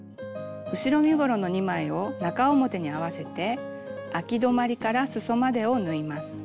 後ろ身ごろの２枚を中表に合わせてあき止まりからすそまでを縫います。